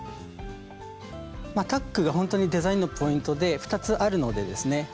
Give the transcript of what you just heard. タックがほんとにデザインのポイントで２つあるのでですね